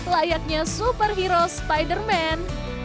layaknya superhero spiderman